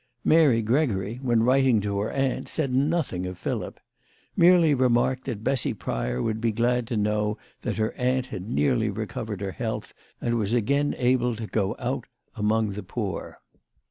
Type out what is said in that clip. Mary Gregory, when writing to her aunt, said nothing of Philip merely remarked that Bessy Pryor would be glad to know that her aunt had nearly recovered her health, and was again able to go out among the poor.